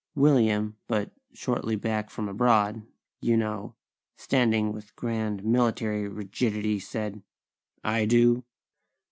William, but shortly back from abroad, you know, standing with grand, military rigidity, said: "I do."